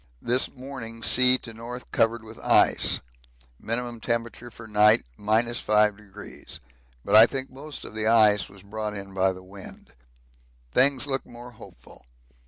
This morning sea to north covered with ice. Min. temp, for night 5°, but I think most of the ice was brought in by the wind. Things look more hopeful.